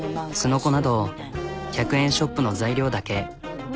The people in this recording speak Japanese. スノコなど１００円ショップの材料だけ。